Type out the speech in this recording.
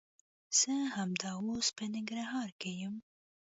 زه همدا اوس په ننګرهار کښي يم.